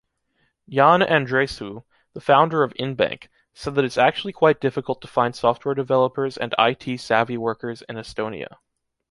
Jan Andresoo, the founder of Inbank, said that it’s actually quite difficult to find software developers and IT savvy workers in Estonia.